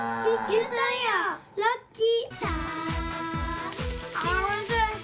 ラッキー！